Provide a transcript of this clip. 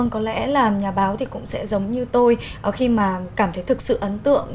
có lẽ nhà báo cũng sẽ giống như tôi khi cảm thấy thực sự ấn tượng